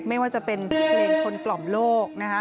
ไม่ว่าจะเป็นเพลงคนกล่อมโลก